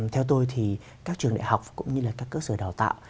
theo tôi thì các trường đại học cũng như là các cơ sở đào tạo